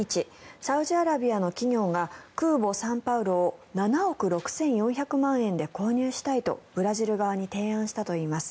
サウジアラビアの企業が空母「サンパウロ」を７億６４００万円で購入したいとブラジル側に提案したといいます。